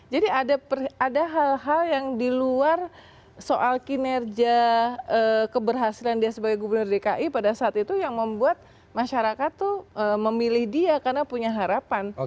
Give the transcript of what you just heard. jadi ada hal hal yang diluar soal kinerja keberhasilan dia sebagai gubernur dki pada saat itu yang membuat masyarakat tuh memilih dia karena punya harapan